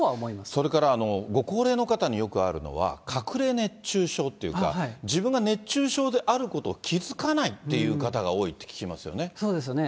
それからご高齢の方によくあるのは、かくれ熱中症というか、自分が熱中症であることを気付かないっていう方が多いって聞きまそうですよね。